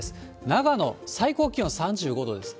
長野、最高気温３５度です。